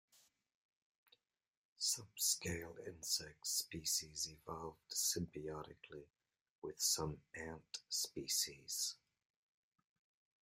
Some scale insect species evolved symbiotically with some ant species.